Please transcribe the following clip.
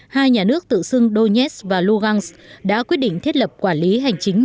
hai nhà nước tự xưng donetsk và lugansk đã quyết định thiết lập quản lý hành chính